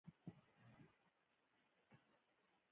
ژوند کې تل هغه کارونه ترسره کړئ چې زړه او ذهن يې غواړي .